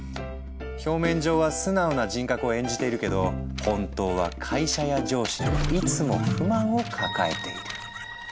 表面上は素直な人格を演じているけど本当は会社や上司にいつも不満を抱えている。